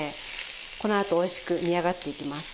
このあとおいしく煮上がっていきます。